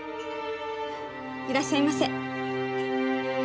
いらっしゃいませ。